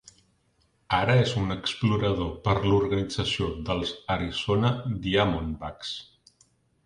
Ara és un explorador per l'organització dels Arizona Diamondbacks.